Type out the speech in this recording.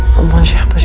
perempuan siapa sih